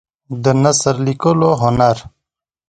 د نثر لیکلو هنر